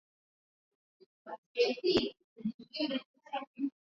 a uchaguzi katika nchi mbalimbali kuna guinea